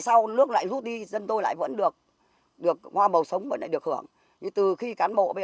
sau nước lại rút đi dân tôi lại vẫn được được hoa màu sống vẫn lại được hưởng như từ khi cán bộ về